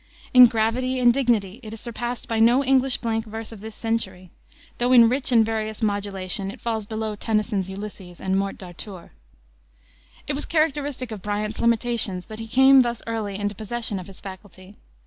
In gravity and dignity it is surpassed by no English blank verse of this century, though in rich and various modulation it falls below Tennyson's Ulysses and Morte d'Arthur. It was characteristic of Bryant's limitations that he came thus early into possession of his faculty.